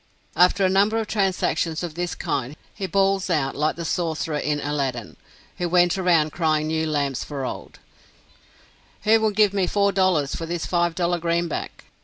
After a number of transactions of this kind, he bawls out, like the sorcerer in Aladdin, who went around crying new lamps for old, "Who will give me four dollars for this five dollar greenback?"